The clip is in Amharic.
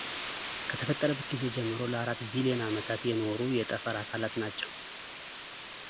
ከተፈጠረበት ጊዜ ጀምሮ ለአራት ቢሊዮን ዓመታት የኖሩ የጠፈር አካላት ናቸው፡፡